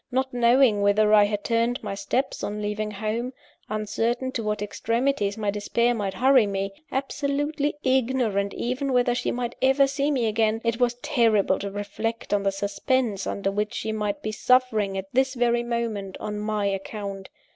Not knowing whither I had turned my steps on leaving home; uncertain to what extremities my despair might hurry me; absolutely ignorant even whether she might ever see me again it was terrible to reflect on the suspense under which she might be suffering, at this very moment, on my account.